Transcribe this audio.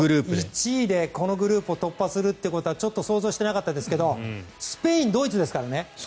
１位でこのグループを突破するということはちょっと想像してなかったですがスペイン、ドイツですからね。